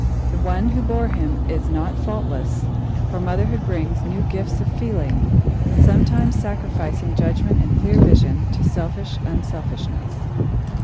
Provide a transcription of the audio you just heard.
The one who bore him is not faultless, for motherhood brings new gifts of feeling, sometimes sacrificing judgment and clear vision to selfish unselfishness.